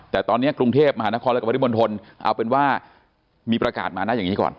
แต่ตอนนี้กรุงเทพฯมหาฯคฤพธิบนทนเอาเป็นว่ามีประกาศมานะอย่างงี้ก่อน